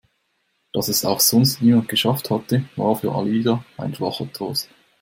Dass es auch sonst niemand geschafft hatte, war für Alida ein schwacher Trost.